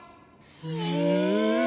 へえ。